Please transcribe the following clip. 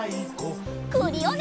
クリオネ！